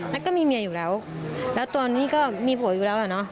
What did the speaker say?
แล้วก็มีเมียอยู่แล้วแล้วตอนนี้ก็มีผัวอยู่แล้วอ่ะเนอะ